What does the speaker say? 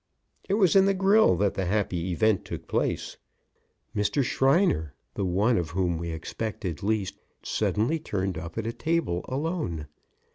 It was in the grill that the happy event took place. Mr. Shriner, the one of whom we expected least, suddenly turned up at a table alone.